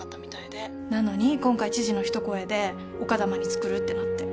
なのに今回知事の一声で丘珠に作るってなって。